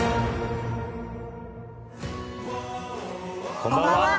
こんばんは。